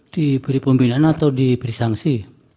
diberi pembinaan atau diberi sanksi